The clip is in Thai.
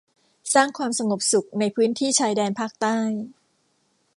สร้างความสงบสุข ในพื้นที่ชายแดนภาคใต้